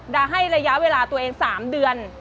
ให้ระยะเวลาตัวเอง๓เดือน